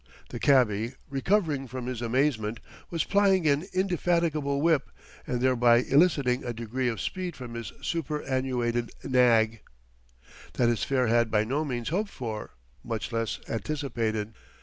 The cabby, recovering from his amazement, was plying an indefatigable whip and thereby eliciting a degree of speed from his superannuated nag, that his fare had by no means hoped for, much less anticipated.